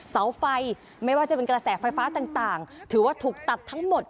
เสาไฟไม่ว่าจะเป็นกระแสไฟฟ้าต่างถือว่าถูกตัดทั้งหมด